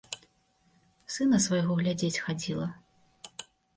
Сына свайго глядзець хадзіла.